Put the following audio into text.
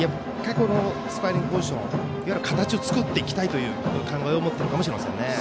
スコアリングポジションのいわゆる形を作っていきたいという考えを持っているかもしれませんね。